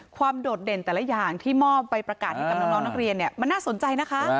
ความโดดเด่นแต่ละอย่างที่มอบไปประกาศให้กำลังร้อนเรียนมันน่าสนใจนะคะ